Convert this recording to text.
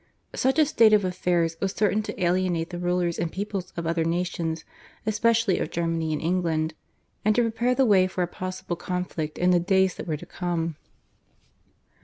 Such a state of affairs was certain to alienate the rulers and people of other nations, especially of Germany and England, and to prepare the way for a possible conflict in the days that were to come.